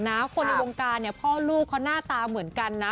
ตอนนี้คนในวงกาพ่อลูกเขาน่าตาเหมือนกันนะ